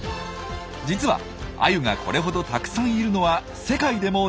実はアユがこれほどたくさんいるのは世界でも日本だけ。